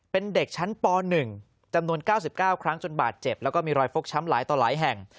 เป็นเด็กชั้นป๑จำนวน๙๙ครั้งจนบาดเจ็บแล้วก็มีรอยฟกช้ำหลายต่อหลายแห่ง